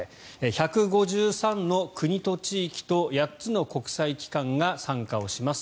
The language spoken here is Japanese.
１５３の国と地域と８つの国際機関が参加をします。